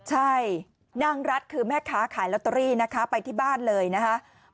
ใช่นางรัฐคือแม่ค้าขายลอตเตอรี่นะคะไปที่บ้านเลยนะคะ